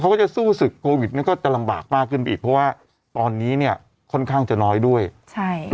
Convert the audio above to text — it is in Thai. เขาก็จะสู้ศึกโควิดมันก็จะลำบากมากขึ้นไปอีกเพราะว่าตอนนี้เนี่ยค่อนข้างจะน้อยด้วยใช่